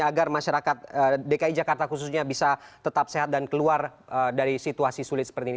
agar masyarakat dki jakarta khususnya bisa tetap sehat dan keluar dari situasi sulit seperti ini